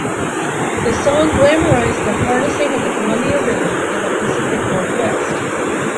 The song glamorized the harnessing of the Columbia River in the Pacific Northwest.